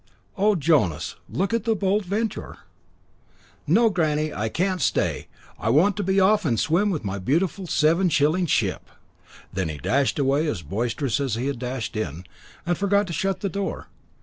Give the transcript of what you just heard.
"Oh, Jonas! look at the Bold Venture!" "No, granny, I can't stay. I want to be off and swim my beautiful seven shilling ship." Then he dashed away as boisterous as he had dashed in, and forgot to shut the door.